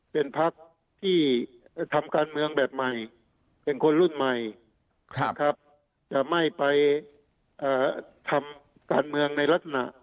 เป็นพักที่ทำการเมืองแบบใหม่เป็นคนรุ่นใหม่นะครับจะไม่ไปทำการเมืองในลักษณะ